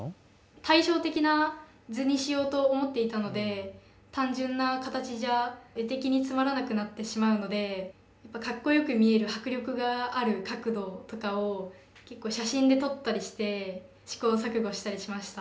対称的な図にしようと思っていたので単純な形じゃ絵的につまらなくなってしまうのでかっこよく見える迫力がある角度とかを結構写真で撮ったりして試行錯誤したりしました。